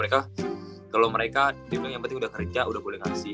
kalau mereka yang penting udah kerja udah boleh ngasih